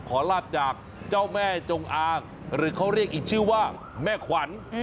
ลาบจากเจ้าแม่จงอางหรือเขาเรียกอีกชื่อว่าแม่ขวัญ